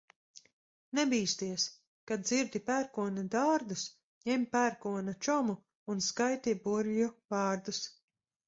Nebīsties, kad dzirdi pērkona dārdus, ņem pērkona čomu un skaiti burvju vārdus.